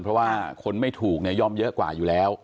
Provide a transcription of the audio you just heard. เพราะว่าคนไม่ถูกเนี่ยย่อมเยอะกว่าอยู่แล้ว